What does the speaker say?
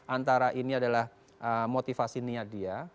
antara ini adalah motivasi niat dia